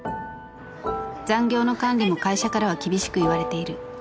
［残業の管理も会社からは厳しく言われている］